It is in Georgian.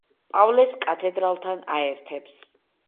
პავლეს კათედრალთან აერთებს.